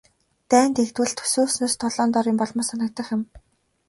Дайн дэгдвэл төсөөлснөөс долоон доор юм болмоор санагдах юм.